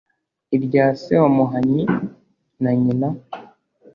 irya se wa muhanyi na nyina